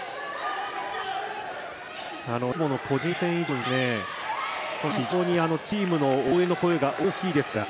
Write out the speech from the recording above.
いつもの個人戦以上に非常に、チームの応援の声が大きいですから。